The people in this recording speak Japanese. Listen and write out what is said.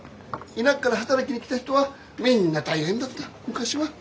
田舎から働きに来た人はみんな大変だった昔は。